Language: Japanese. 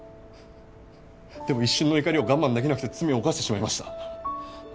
でも一瞬の怒りを我慢できなくて罪を犯してしまいました。